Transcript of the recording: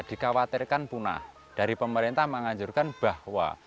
dikhawatirkan punah dari pemerintah menganjurkan bahwa